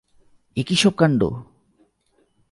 এ কী সব কাণ্ড!